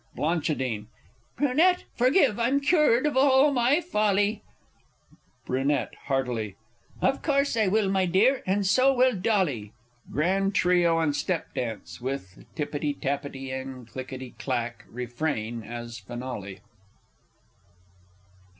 Bl. Brunette, forgive I'm cured of all my folly! Br. (heartily). Of course I will, my dear, and so will dolly! [_Grand Trio and Step dance, with "tippity tappity," and "clickity clack" refrain as finale.